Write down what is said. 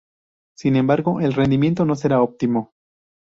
Sin embargo, el rendimiento no será óptimo.